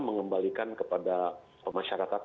mengembalikan kepada masyarakat